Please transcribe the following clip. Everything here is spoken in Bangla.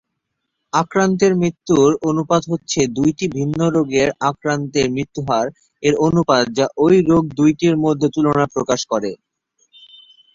আক্রান্তের মৃত্যুর অনুপাত হচ্ছে দুইটি ভিন্ন রোগের আক্রান্তের মৃত্যুহার এর অনুপাত যা ঐ রোগ দুইটির মধ্যে তুলনা প্রকাশ করে।